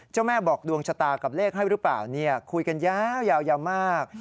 เจ้าแม่บอกดวงชะตากับเลขให้รึเปล่าคุยกันยาวยาวยาวมาก